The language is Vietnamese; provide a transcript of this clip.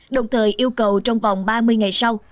đồng thời yêu cầu trong vòng ba mươi ngày sau